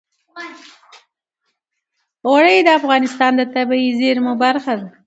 اوړي د افغانستان د طبیعي زیرمو برخه ده.